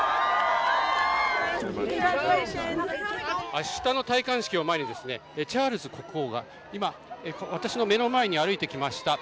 明日の戴冠式を前にチャールズ国王が今、私の目の前に歩いてきました。